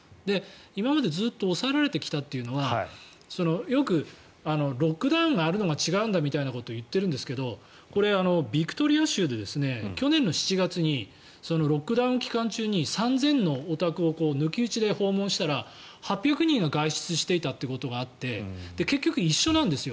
今まで抑えられてきたというのはよくロックダウンがあるのが違うんだみたいなことを言っているんですがこれ、ビクトリア州で去年７月にロックダウン期間中に３０００のお宅を抜き打ちで訪問したら８００人が外出していたということで結局一緒なんですよ。